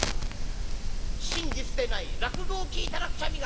「真実でない落語を聞いたらくしゃみが」。